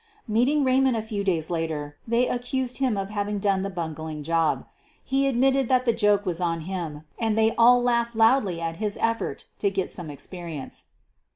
Meeting Raymond a few days later, they accused him of having done the bungling job. He admitted that the joke was on him, and they all laughed loudly at his effort to get some experience.